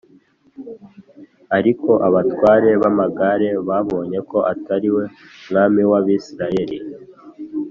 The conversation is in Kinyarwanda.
ariko abatware b’amagare babonye ko atari we mwami w’Abisirayeli